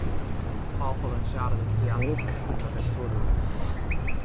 Pobl yn siarad y tu allan yn yfed cwrw.